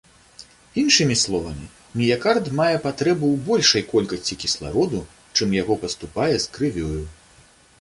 Іншымі словамі, міякард мае патрэбу ў большай колькасці кіслароду, чым яго паступае з крывёю.